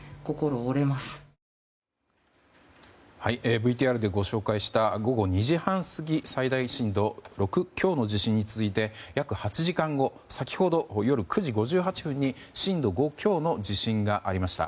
ＶＴＲでご紹介した午後２時半過ぎ最大震度６強の地震に続いて約８時間後の先ほど夜９時５８分に震度５強の地震がありました。